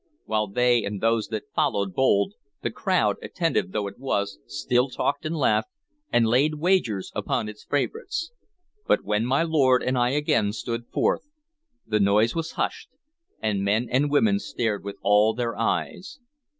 While they and those that followed bowled, the crowd, attentive though it was, still talked and laughed, and laid wagers upon its favorites; but when my lord and I again stood forth, the noise was hushed, and men and women stared with all their eyes.